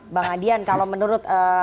bang adian kalau menurut